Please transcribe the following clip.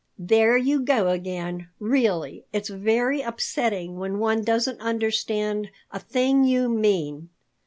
"There you go again! Really, it's very upsetting when one doesn't understand a thing you mean.